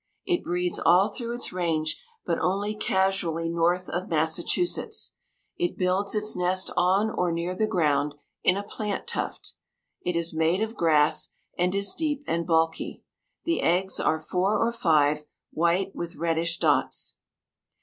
It breeds all through its range, but only casually north of Massachusetts. It builds its nest on or near the ground, in a plant tuft. It is made of grass, and is deep and bulky. The eggs are four or five, white, with reddish dots.